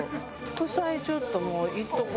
白菜ちょっともういっとこ。